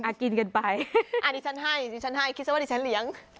อ่ะกินกันไปอ่ะนี่ฉันให้คิดว่าฉันเลี้ยง